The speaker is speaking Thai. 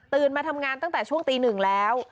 มาทำงานตั้งแต่ช่วงตีหนึ่งแล้ว